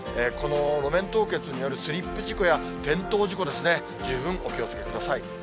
この路面凍結によるスリップ事故や転倒事故ですね、十分お気をつけください。